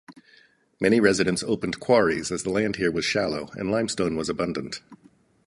Many residents opened quarries as the land here was shallow and limestone was abundant.